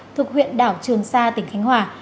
thuộc huyện đảo trường sa tỉnh khánh hòa